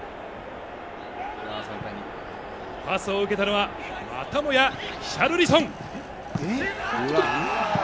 パスを受けたのはまたもやヒシャルリソン。